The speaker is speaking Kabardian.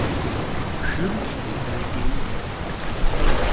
Шыр мэукӀурий…